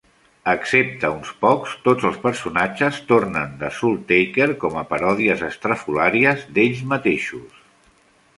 Excepte uns pocs, tots els personatges tornen de SoulTaker com a paròdies estrafolàries d'ells mateixos.